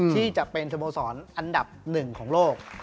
ที่จะเป็นสโมสรอันดับหนึ่งของโลก